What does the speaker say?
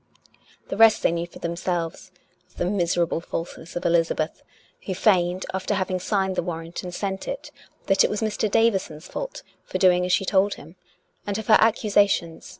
The rest they knew for themselves — of the miser able falseness of Elizabeth, who feigned, after having signed the warrant and sent it, that it was Mr, Davison's fault for doing as she told himj and of her accusations COME RACK!